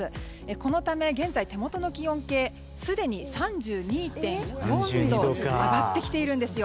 このため、現在手元の気温計すでに３２．４度。上がってきているんですよ。